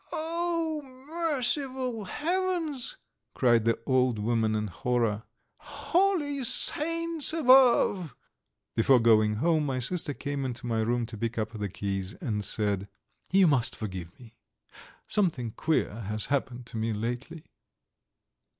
"Oh, merciful heavens!" cried the old woman in horror. "Holy Saints above!" Before going home my sister came into my room to pick up the keys, and said: "You must forgive me. Something queer has happened to me lately."